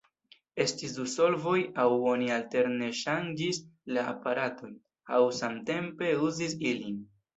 Estis du solvoj, aŭ oni alterne ŝanĝis la aparatojn, aŭ samtempe uzis ilin.